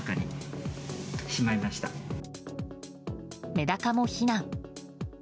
メダカも避難。